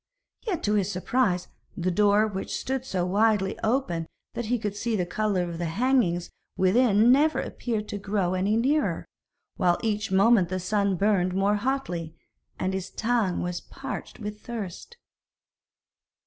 Yet, to his surprise, the door which stood so widely open that he could see the colour of the hangings within never appeared to grow any nearer, while each moment the sun burned more hotly, and his tongue was parched with thirst.